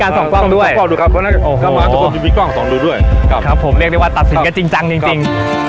ครับผมเรียกได้ว่าตัดสินก็จริงจังจริงจริง